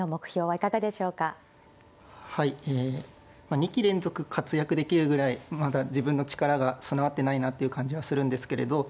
２期連続活躍できるぐらいまだ自分の力が備わってないなっていう感じはするんですけれど